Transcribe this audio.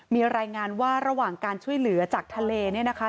มีรายงานว่าระหว่างการช่วยเหลือจากทะเลเนี่ยนะคะ